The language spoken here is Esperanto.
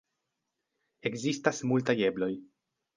Ekzistas multaj ebloj.